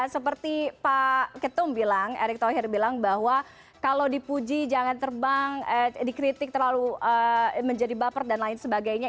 seperti pak ketum bilang erick thohir bilang bahwa kalau dipuji jangan terbang dikritik terlalu menjadi baper dan lain sebagainya